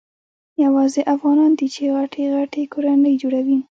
یوازي افغانان دي چي غټي غټي کورنۍ جوړوي.